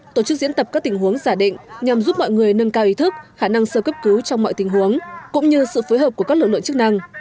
tổ chức diễn tập các tình huống giả định nhằm giúp mọi người nâng cao ý thức khả năng sơ cấp cứu trong mọi tình huống cũng như sự phối hợp của các lực lượng chức năng